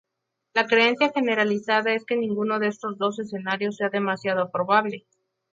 La creencia generalizada es que ninguno de estos dos escenarios sea demasiado probable.